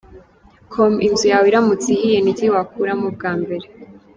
com: Inzu yawe iramutse ihiye n’iki wakuramo bwa mbere?.